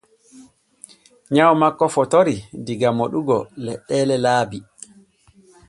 Nyaw makko fotorii diga moɗugo leɗɗeelee laabi.